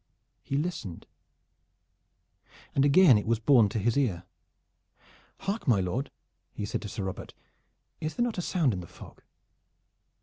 He listened, and again it was borne to his ear. "Hark, my lord!" said he to Sir Robert. "Is there not a sound in the fog?"